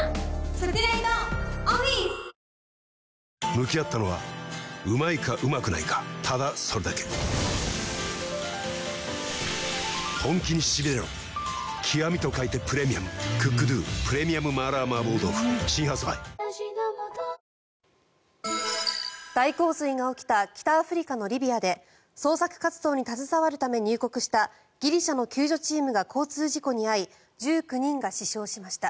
向き合ったのはうまいかうまくないかただそれだけ極と書いてプレミアム「ＣｏｏｋＤｏ極麻辣麻婆豆腐」新発売大洪水が起きた北アフリカのリビアで捜索活動に携わるため入国したギリシャの救助チームが交通事故に遭い１９人が死傷しました。